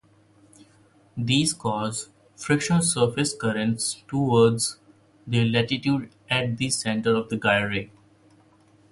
These cause frictional surface currents towards the latitude at the center of the gyre.